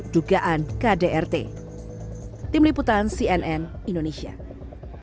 kedua belah pihak baik suami maupun istri telah ditetapkan sebagai tersangka dalam kasus dubi